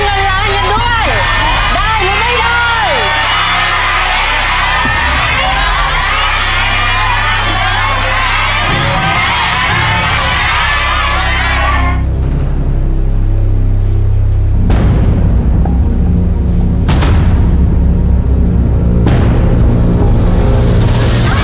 แม่งอยู่ที่ลุ้นกัน